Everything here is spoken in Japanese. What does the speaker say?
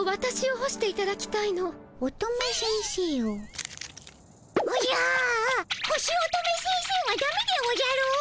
干し乙女先生はダメでおじゃる。